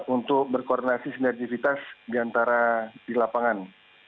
untuk berkoordinasi sinergifitas di antara di lapangan